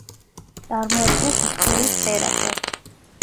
წარმოადგენს მტკვრის ტერასას.